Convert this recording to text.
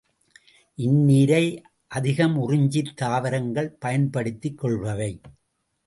இந்நீரை அதிகம் உறிஞ்சித் தாவரங்கள் பயன்படுத்திக் கொள்பவை.